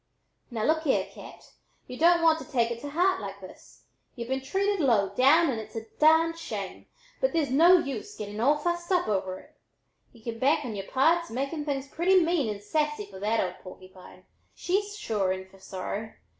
"Now look here, Cat, y'u don't want to take it to heart like this! Y'u've been treated low down and it's a darned shame, but there's no use getting all fussed up over it. Y'u can bank on yere pards making things pretty mean and sassy for that 'old porkypine.' She's sure in fer sorrow!